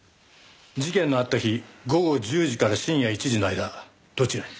事件のあった日午後１０時から深夜１時の間どちらに？